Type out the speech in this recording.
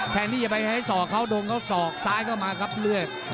แถมนี้อย่าไปให้ศอกเขาดวงเขาศอกซ้ายเข้ามาครับเลือด